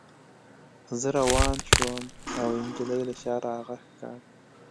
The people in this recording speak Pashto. زه روان شوم او نجلۍ له شا را غږ کړ